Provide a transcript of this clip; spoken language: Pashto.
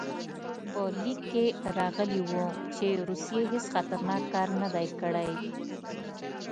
په لیک کې راغلي وو چې روسیې هېڅ خطرناک کار نه دی کړی.